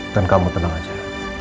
dan kamu tenang aja